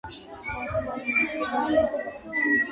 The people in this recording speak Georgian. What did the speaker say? მერკურის სიმკვრივე მის შინაგან სტრუქტურის გარკვევაში გვეხმარება.